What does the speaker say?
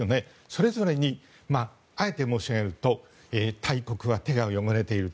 それぞれにあえて申し上げると大国は手が読まれている。